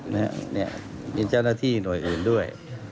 นะฮะเนี่ยมีเจ้าหน้าที่หน่วยอื่นด้วย